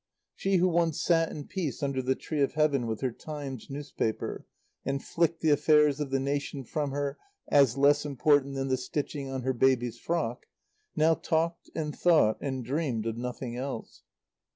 She who once sat in peace under the tree of Heaven with her Times newspaper, and flicked the affairs of the nation from her as less important than the stitching on her baby's frock, now talked and thought and dreamed of nothing else.